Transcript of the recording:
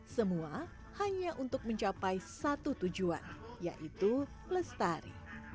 semua hanya untuk mencapai satu tujuan yaitu lestari